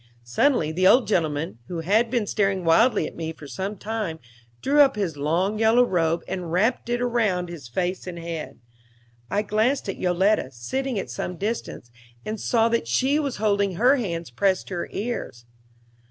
Suddenly the old gentleman, who had been staring wildly at me for some time, drew up his long yellow robe and wrapped it round his face and head. I glanced at Yoletta, sitting at some distance, and saw that she was holding her hands pressed to her ears.